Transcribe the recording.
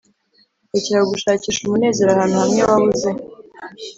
rekeraho gushakisha umunezero ahantu hamwe wabuze.